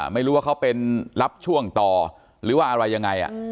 ไม่รู้ว่าเขาเป็นรับช่วงต่อหรือว่าอะไรยังไง